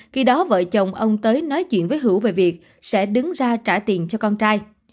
khi đó vợ chồng ông tới nói chuyện với hữu về việc sẽ đứng ra trả tiền cho con trai